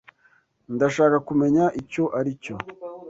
Ndashaka kumenya icyo aricyo.